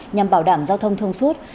nhằm bảo đảm giao thông thương suốt